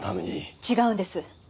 違うんです。